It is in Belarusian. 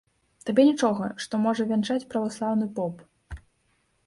Табе нічога, што можа вянчаць праваслаўны поп?